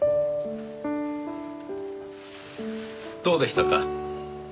どうでしたか？